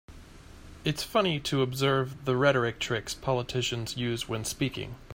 It's funny to observe the rhetoric tricks politicians use when speaking.